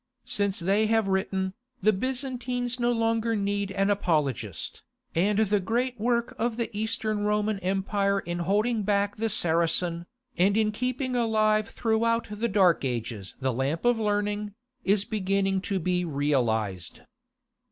Since they have written, the Byzantines no longer need an apologist, and the great work of the East Roman Empire in holding back the Saracen, and in keeping alive throughout the Dark Ages the lamp of learning, is beginning to be realized.